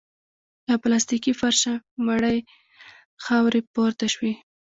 له پلاستيکي فرشه مړې خاورې پورته شوې.